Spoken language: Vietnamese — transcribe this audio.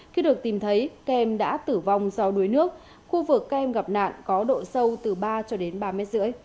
khi được tìm thấy kem đã tử vong do đuối nước khu vực kem gặp nạn có độ sâu từ ba cho đến ba năm m